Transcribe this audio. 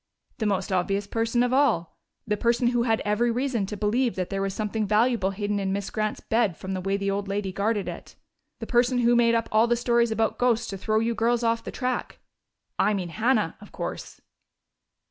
"The most obvious person of all. The person who had every reason to believe that there was something valuable hidden in Miss Grant's bed from the way the old lady guarded it. The person who made up all the stories about ghosts to throw you girls off the track. I mean Hannah, of course."